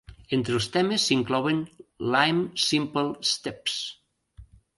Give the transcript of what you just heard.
Entre els temes s'inclouen Lime Simple Steps.